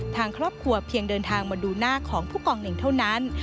ทางครอบครัวเพียงเดินทางมาดูหน้าของผู้กองเน่งเท่านั้น